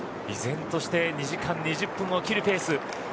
依然として２時間２０分を切るペース。